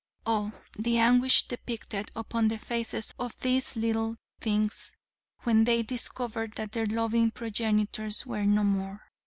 Oh, the anguish depicted upon the faces of these little things when they discovered that their loving progenitors were no more.